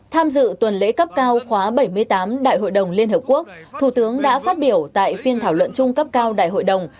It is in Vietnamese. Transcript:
tham dự tuần lễ cấp cao khóa bảy mươi tám đại hội đồng liên hợp quốc thủ tướng đã phát biểu tại phiên thảo luận chung cấp cao đại hội đồng